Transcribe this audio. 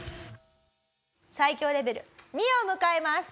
最強レベル２を迎えます。